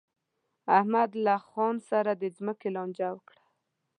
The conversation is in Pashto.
احمد له خان سره د ځمکې لانجه وکړه.